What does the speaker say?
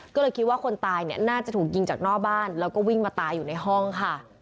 ก็เลยคิดว่าคนตายเนี่ยน่าจะถูกยิงจากหน้าบ้านแล้วก็วิ่งมาตายอยู่ในห้องค่ะ